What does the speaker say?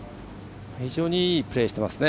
非常にいいプレーしていますね。